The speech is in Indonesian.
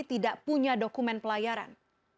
tidak punya dokumen pelayaran